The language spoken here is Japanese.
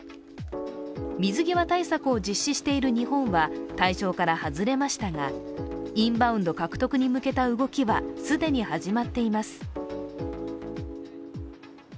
水際対策を実施している日本は対象から外れましたが、インバウンド獲得に向けた動きは既に始まっています。